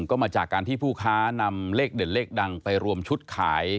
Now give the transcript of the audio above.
ก็มาจากการที่ผู้ค้านำเลขเด่นเลขดังไปรวมชุดขาย